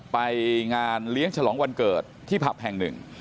ไปงานเลี้ยงฉลองวันเกิดที่ผับแห่งหนึ่ง